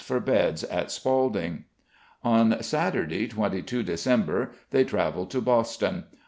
for beds at Spalding. On Saturday, 22 December, they travelled to Boston.